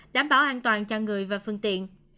đảm bảo an toàn cho người và phương tiện